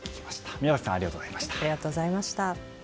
宮崎さんありがとうございました。